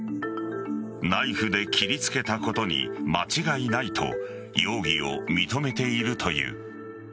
ナイフで切りつけたことに間違いないと容疑を認めているという。